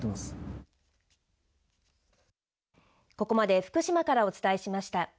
ここまで福島からお伝えしました。